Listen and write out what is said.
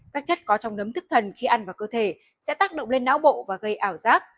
các chất có trong nấm thức thần khi ăn vào cơ thể sẽ tác động lên não bộ và gây ảo giác